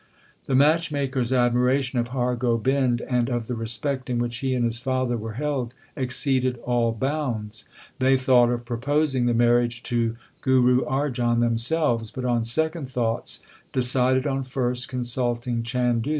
2 The matchmakers admiration of Har Gobind and of the respect in which he and his father were held, exceeded all bounds. They thought of proposing the marriage to Guru Arjan themselves, but on second thoughts decided on first consulting Chandu.